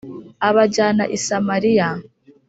Abajyana i samariya